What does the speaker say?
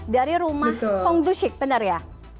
dari rumah hong doo sik benar ya